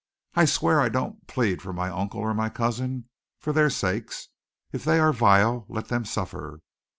I swear I don't plead for my uncle or my cousin, for their sakes. If they are vile, let them suffer.